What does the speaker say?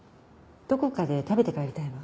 どこかで食べて帰りたいわ。